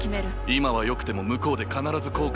今はよくても向こうで必ず後悔する。